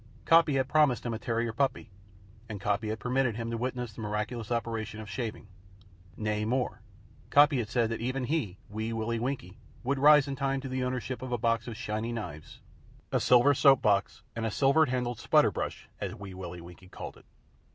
Coppy had promised him a terrier puppy; and Coppy had permitted him to witness the miraculous operation of shaving. Nay, more Coppy had said that even he, Wee Willie Winkie, would rise in time to the ownership of a box of shiny knives, a silver soap box and a silver handled "sputter brush," as Wee Willie Winkie called it.